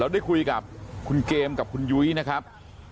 ได้คุยกับคุณเกมกับคุณยุ้ยนะครับ